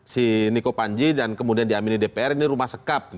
si niko panji dan kemudian diamini dpr ini rumah sekap